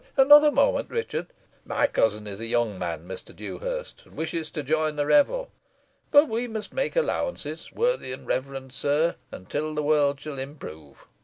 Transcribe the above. Another moment, Richard. My cousin is a young man, Mr. Dewhurst, and wishes to join the revel. But we must make allowances, worthy and reverend sir, until the world shall improve.